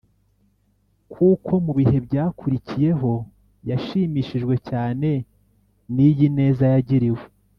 kuko mu bihe byakurikiyeho yashimishijwe cyane n’iyi neza yagiriwe